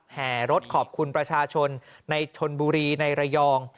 แห่รถขอบคุณประชาชนในชนบุรีในระยอง